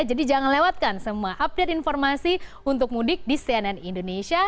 jadi jangan lewatkan semua update informasi untuk mudik di cnn indonesia